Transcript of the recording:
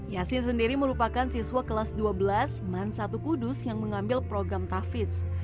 yasin sendiri merupakan siswa kelas dua belas man satu kudus yang mengambil program tafis